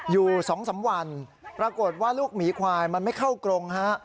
อยู่๒๓วันปรากฏว่าลูกหมีควายมันไม่เข้ากรงฮะ